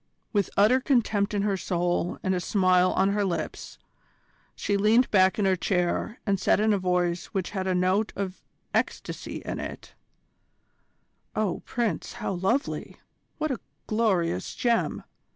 With utter contempt in her soul and a smile on her lips, she leaned back in her chair and said in a voice which had a note of ecstasy in it: "Oh, Prince, how lovely! What a glorious gem!